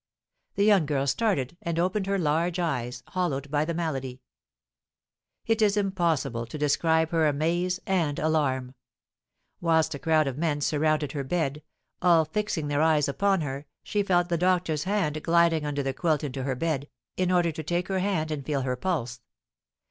The young girl started and opened her large eyes, hollowed by the malady. It is impossible to describe her amaze and alarm. Whilst a crowd of men surrounded her bed, all fixing their eyes upon her, she felt the doctor's hand gliding under the quilt into her bed, in order to take her hand and feel her pulse.